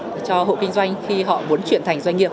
để cho hộ kinh doanh khi họ muốn chuyển thành doanh nghiệp